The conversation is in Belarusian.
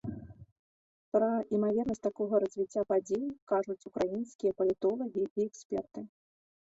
Пра імавернасць такога развіцця падзей кажуць украінскія палітолагі і эксперты.